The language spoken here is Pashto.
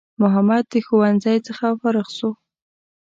محمد د ښوونځی څخه فارغ سو